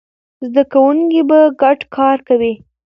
زده کوونکي به ګډ کار کوي.